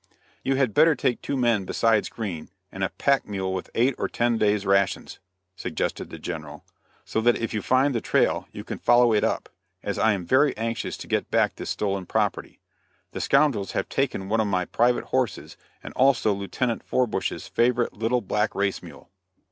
"You had better take two men besides Green, and a pack mule with eight or ten days' rations," suggested the General, "so that if you find the trail you can follow it up, as I am very anxious to get back this stolen property. The scoundrels have taken one of my private horses and also Lieutenant Forbush's favorite little black race mule."